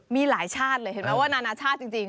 มีหลายชาตินานาชาติจริง